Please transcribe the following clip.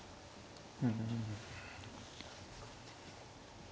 うん。